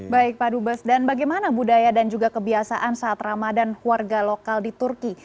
baik pak dubes dan bagaimana budaya dan juga kebiasaan saat ramadan warga lokal di turki